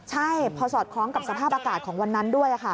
ใช่พอสอดคล้องกับสภาพอากาศของวันนั้นด้วย